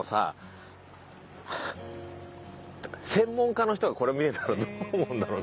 専門家の人がこれ見てたらどう思うんだろう。